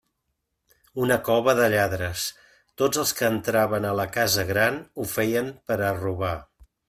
Una cova de lladres; tots els que entraven a la «casa gran» ho feien per a robar.